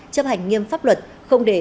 chấp hành nghiêm pháp luật không để